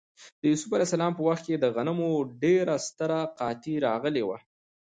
د یوسف ع په وخت کې د غنمو ډېره ستره قحطي راغلې وه.